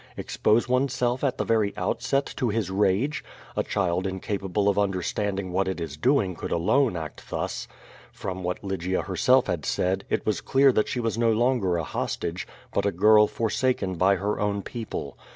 Expose oneself at the very outset to his rage? A child incapable of understanding what it is doing could alone act thus. From what Lygia herself had said, it was clear that she was no longer a hostage, but a girl forsaken by her own pepple.